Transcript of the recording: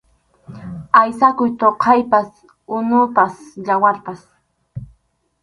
Aysakuq thuqaypas, unupas, yawarpas.